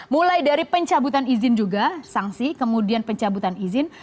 mulai dari pencabutan izin juga sanksi kemudian pencabutan izin